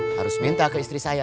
harus minta ke istri saya